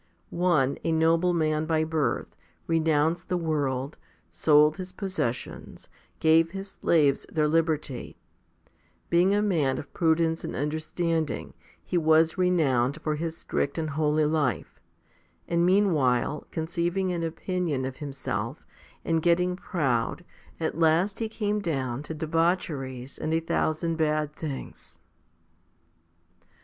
One, a nobleman by birth, renounced the world, sold his possessions, gave his slaves their liberty ; being a man of prudence and understanding, he was renowned for his strict and holy life; and meanwhile, conceiving an opinion of himself and getting proud, at last he came down to debaucheries and a thousand bad things.